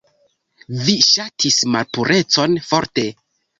Vi ŝatis malpurecon forte.